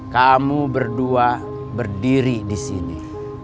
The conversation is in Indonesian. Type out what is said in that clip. kamu berdua berdiri disini